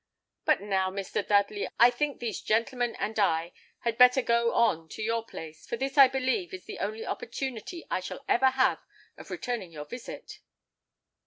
But now, Mr. Dudley, I think these gentlemen and I had better go on to your place, for this, I believe, is the only opportunity I shall ever have of returning your visit."